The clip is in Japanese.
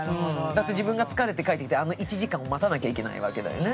だって自分が疲れて帰ってきてあの１時間を待たなきゃいけないわけだよね。